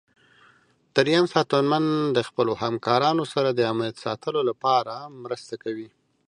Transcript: دریم ساتنمن د خپلو همکارانو سره د امنیت ساتلو لپاره مرسته کوي.